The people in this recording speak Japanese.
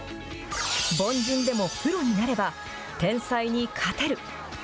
凡人でもプロになれば天才に勝てる。